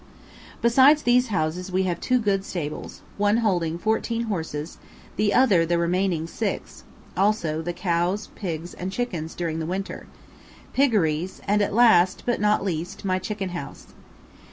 Besides these houses we have two good stables, one holding fourteen horses, the other the remaining six (also the cows, pigs, and chickens during the winter); piggeries; and last, but not least, my chicken house.